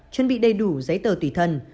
chuẩn bị đầy đủ giấy tờ tùy thân